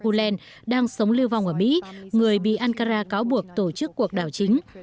giáo sĩ fethullah gulen đang sống lưu vong ở mỹ người bị ankara cáo buộc tổ chức cuộc đảo chính